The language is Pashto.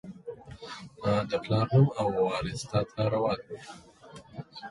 د پلار نوم او، وراث تا ته روا دي